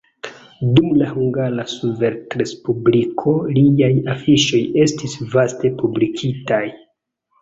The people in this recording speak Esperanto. Dum la Hungara Sovetrespubliko liaj afiŝoj estis vaste publikitaj.